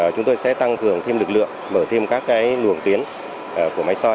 chúng tôi sẽ tăng cường thêm lực lượng mở thêm các luồng tuyến của máy soi